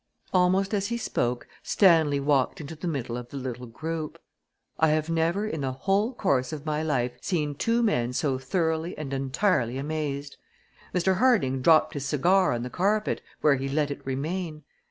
Almost as he spoke Stanley walked into the middle of the little group. I have never in the whole course of my life seen two men so thoroughly and entirely amazed. Mr. Harding dropped his cigar on the carpet, where he let it remain.